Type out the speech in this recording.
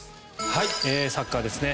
サッカーですね。